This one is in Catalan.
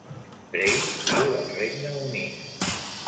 Frey viu al Regne Unit.